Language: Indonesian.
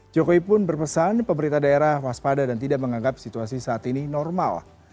jokowi pun berpesan pemerintah daerah waspada dan tidak menganggap situasi saat ini normal